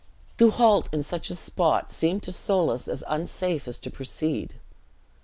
To halt in such a spot seemed to Soulis as unsafe as to proceed.